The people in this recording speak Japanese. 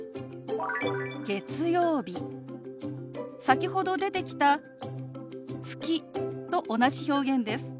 先ほど出てきた「月」と同じ表現です。